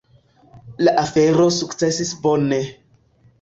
La afero sukcesis bone.